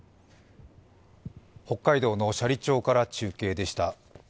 北海道の斜里町から中継でした。